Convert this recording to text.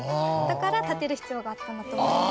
だから立てる必要があったんだと思います。